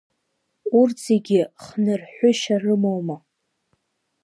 Урҭ зегьы хнырҳәышьа рымоума?